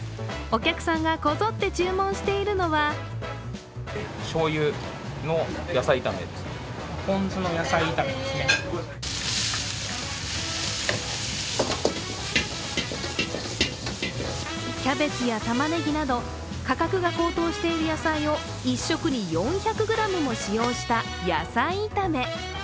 お客さんがこぞって注文しているのはキャベツやたまねぎなど価格が高騰している野菜を１食に４００ｇも使用した野菜炒め。